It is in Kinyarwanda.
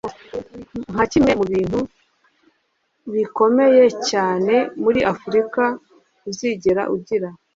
Nka kimwe mu bintu bikomeye cyane muri Afrika uzigera ugira